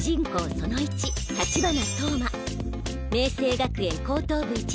その１立花投馬明青学園高等部１年。